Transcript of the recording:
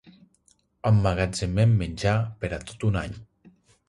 Emmagatzemen menjar per a tot un any.